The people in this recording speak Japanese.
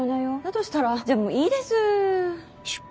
だとしたらじゃもういいです。